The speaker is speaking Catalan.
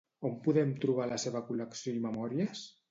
On podem trobar la seva col·lecció i memòries?